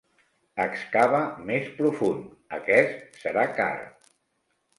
Excava més profund, aquest serà car!